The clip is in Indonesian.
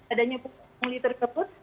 adanya pukul mulia terkeput